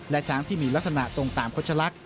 และช้างที่มีลักษณะตรงตามโจชะลักษณ